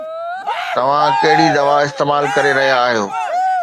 توهان ڪهڙي دوا استعمال ڪري رهيا آهيو؟